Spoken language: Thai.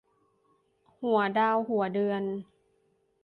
หัวดาวหัวเดือน